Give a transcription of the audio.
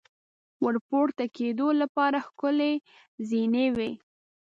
ور پورته کېدو لپاره ښکلې زینې وې.